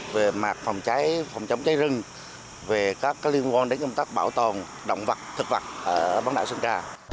về mạng phòng chống cháy rừng về các liên quan đến công tác bảo tồn động vật thực vật ở bán đảo sơn trà